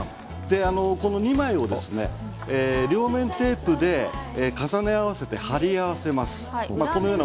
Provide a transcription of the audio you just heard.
この２枚を両面テープで重ね合わせて貼り合わせます。